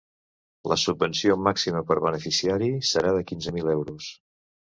La subvenció màxima per beneficiari serà de quinze mil euros.